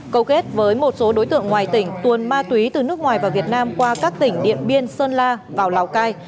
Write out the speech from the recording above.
câu kết với một số đối tượng ngoài tỉnh tuồn ma túy từ nước ngoài và việt nam qua các tỉnh điện biên sơn la vào lào cai